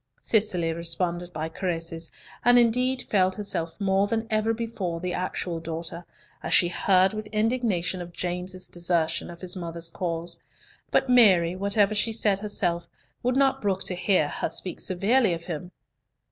Cicely responded by caresses, and indeed felt herself more than ever before the actual daughter, as she heard with indignation of James's desertion of his mother's cause; but Mary, whatever she said herself, would not brook to hear her speak severely of him.